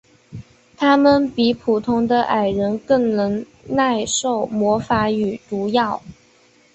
他们比普通的矮人更能耐受魔法与毒药。